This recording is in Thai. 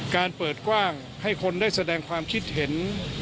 เปิดกว้างให้คนได้แสดงความคิดเห็น